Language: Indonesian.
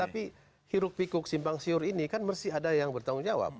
tapi hiruk pikuk simpang siur ini kan mesti ada yang bertanggung jawab